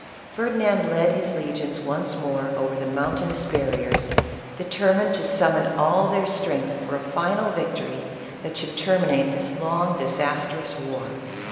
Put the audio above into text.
Ferdinand led his legions once more over the mountainous barriers, 108 ISABELLA OF CASTILE. determined to summon all their strength for a final victory that should terminate this long, disastrous war.